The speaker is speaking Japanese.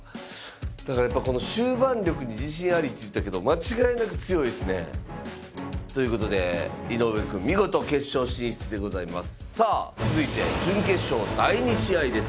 だからやっぱこの終盤力に自信ありって言ったけど間違いなく強いですね。ということで井上くん見事決勝進出でございます。